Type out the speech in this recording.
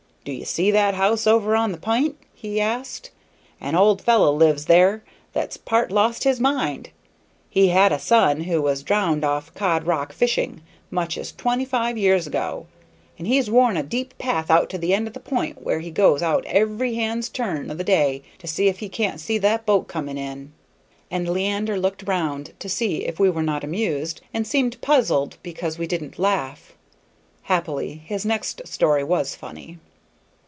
"Do you see that house over on the pi'nt?" he asked. "An old fellow lives there that's part lost his mind. He had a son who was drowned off Cod Rock fishing, much as twenty five years ago, and he's worn a deep path out to the end of the pi'nt where he goes out every hand's turn o' the day to see if he can't see the boat coming in." And Leander looked round to see if we were not amused, and seemed puzzled because we didn't laugh. Happily, his next story was funny.